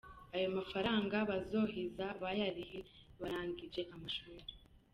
Ayo mafaranga bazoheza bayarihe baranginje amashure.